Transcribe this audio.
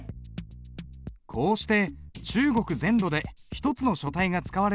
こうして中国全土で一つの書体が使われるようになった。